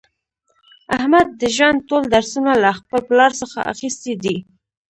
احمد د ژوند ټول درسونه له خپل پلار څخه اخیستي دي.